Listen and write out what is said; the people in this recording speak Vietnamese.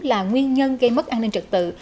là nguyên nhân gây mất an ninh trật tự